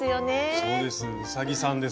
そうです